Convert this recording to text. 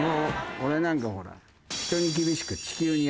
俺なんかほら。